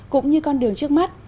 cũng như con đường trước mắt